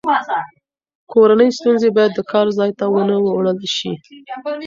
کورنۍ ستونزې باید د کار ځای ته ونه وړل شي.